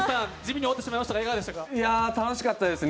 楽しかったですね。